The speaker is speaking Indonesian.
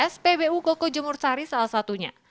spbu koko jemur sari salah satunya